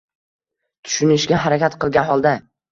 tushunishga harakat qilgan holda.